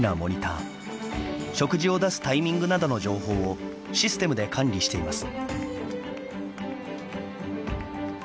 食事を出すタイミングなどの情報をシステムで管理しています。